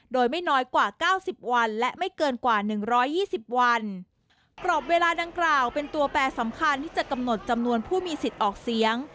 โดยไม่น้อยกว่าเก้าสิบวันและไม่เกินกว่าหนึ่งร้อยยี่สิบวันกรอบเวลาดังกล่าวเป็นตัวแปรสำคัญที่จะกำหนดจำนวนผู้มีสิทธิ์ออกเสียง